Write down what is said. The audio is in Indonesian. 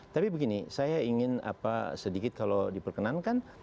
tapi begini saya ingin sedikit kalau diperkenankan